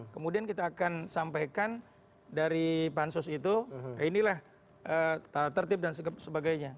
kemudian kita akan sampaikan dari pansus itu inilah tertib dan sebagainya